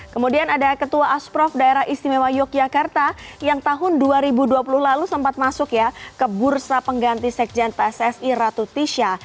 kemudian ada ketua asprof daerah istimewa yogyakarta yang tahun dua ribu dua puluh lalu sempat masuk ya ke bursa pengganti sekjen pssi ratu tisha